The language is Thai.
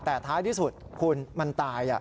แต่ท้ายที่สุดคุณมันตาย